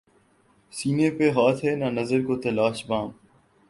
سینے پہ ہاتھ ہے نہ نظر کو تلاش بام